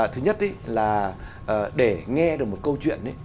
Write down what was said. thứ nhất là để nghe được một câu chuyện ấy